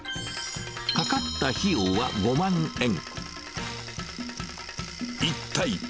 かかった費用は５万円。